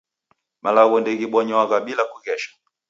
Malagho ndeghibonywaghwa bila kughesha